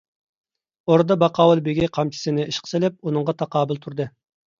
ئوردا باقاۋۇل بېگى قامچىسىنى ئىشقا سېلىپ ئۇنىڭغا تاقابىل تۇردى.